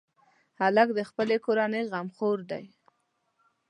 هلک د خپلې کورنۍ غمخور دی.